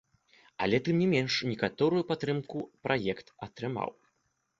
Але тым не менш, некаторую падтрымку праект атрымаў.